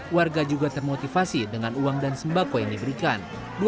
warga juga termotivasi dengan uang dan sembako yang diberikan